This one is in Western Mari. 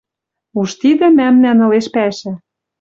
«Уж тидӹ мӓмнӓн ылеш пӓшӓ.